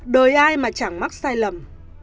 đời ai mà chẳng mắc sai lầm